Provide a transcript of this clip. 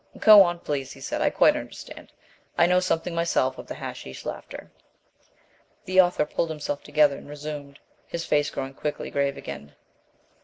"Go on, please," he said, "I quite understand. I know something myself of the hashish laughter." The author pulled himself together and resumed, his face growing quickly grave again.